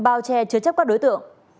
bao che chứa chấp các đối tượng